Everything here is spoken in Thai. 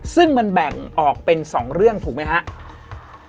ซึ่งมันแบ่งออกเป็น๒เรื่องถูกไหมครับ